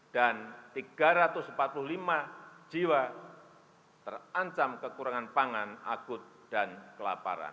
dan tiga ratus empat puluh lima jiwa terancam kekurangan pangan agut dan kelaparan